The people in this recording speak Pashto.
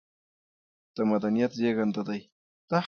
د مدنيت زېږنده دى